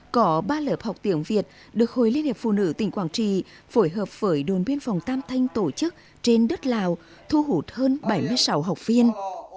có ba lớp học tiếng việt được hội liên hiệp phụ nữ tỉnh quảng trị phối hợp với đồn biên phòng tam thanh tổ chức trên đất lào thu hút hơn bảy mươi sáu học viên